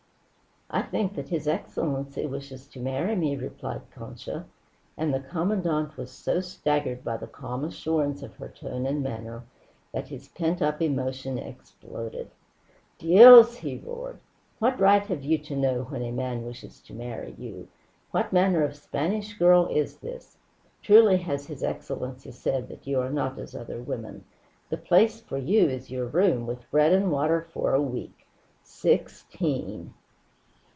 "I think that his excellency wishes to marry me," replied Concha; and the Commandante was so staggered by the calm assurance of her tone and manner that his pent up emotion exploded. "Dios!" he roared. "What right have you to know when a man wishes to marry you? What manner of Spanish girl is this? Truly has his excellency said that you are not as other women. The place for you is your room, with bread and water for a week. Sixteen!"